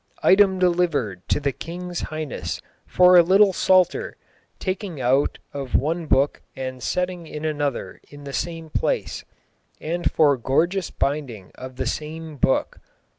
"Item delyvered to the kinge's hyghnes for a little Psalter, takyng out of one booke and settyng in an other in the same place, and for gorgeous binding of the same booke xijd.